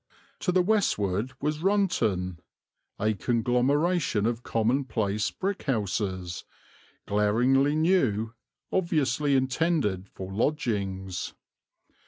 To the westward was Runton, a conglomeration of commonplace brick houses, glaringly new, obviously intended for lodgings.